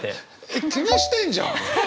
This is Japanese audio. えっ気にしてんじゃん！